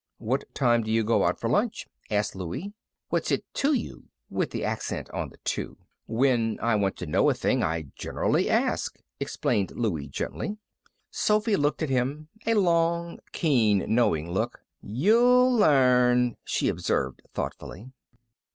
"What time do you go out for lunch?" asked Louie. "What's it to you?" with the accent on the "to." "When I want to know a thing, I generally ask," explained Louie, gently. Sophy looked at him a long, keen, knowing look. "You'll learn," she observed, thoughtfully.